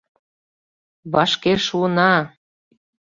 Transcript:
Вашке шуына!»